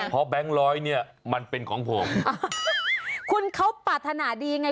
เพราะแบงค์ร้อยเนี่ยมันเป็นของผมคุณเขาปรารถนาดีไง